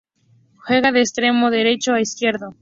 Juega de extremo derecho e izquierdo.